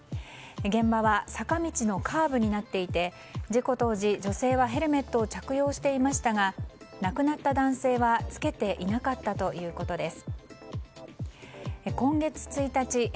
現場は坂道のカーブになっていて事故当時、女性はヘルメットを着用していましたが亡くなった男性は着けていなかったということです。